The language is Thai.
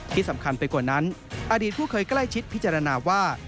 ที่สำคัญไปกว่านั้นอดีตผู้เคยใกล้ชิดพิจารณาว่า